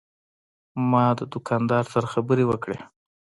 ما د دوکاندار سره خبرې وکړې.